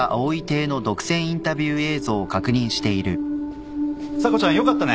・査子ちゃんよかったね。